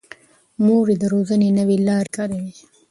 مور یې د روزنې نوې لارې کاروي.